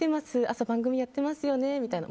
朝番組やってますよねみたいな